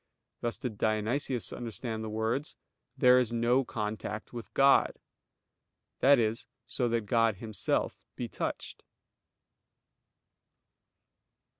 Thus did Dionysius understand the words, "There is no contact with God"; that is, so that God Himself be touched.